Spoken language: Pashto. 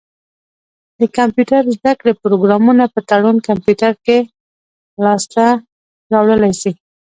د کمپيوټر زده کړي پروګرامونه په تړون کمپيوټر کي لاسته را وړلای سی.